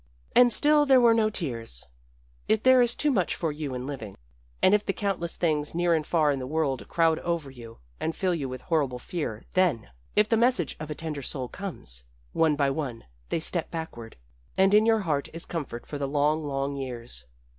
And still there were no tears. And if there is too much for you in living, and if the countless things near and far in the world crowd over you and fill you with horrible fear, then, if the message of a tender soul comes, one by one they step backward, and in your heart is comfort for the long, long years.